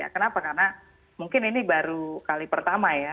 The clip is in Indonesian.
kenapa karena mungkin ini baru kali pertama ya